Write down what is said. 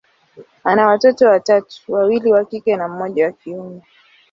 ana watoto watatu, wawili wa kike na mmoja wa kiume.